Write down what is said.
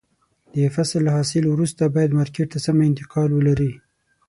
د فصل له حاصل وروسته باید مارکېټ ته سمه انتقال ولري.